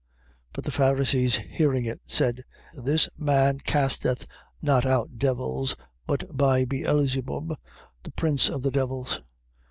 12:24. But the Pharisees hearing it, said: This man casteth not out devils but by Beelzebub the prince of the devils.